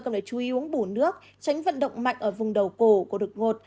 cần phải chú ý uống bù nước tránh vận động mạnh ở vùng đầu cổ của đột ngột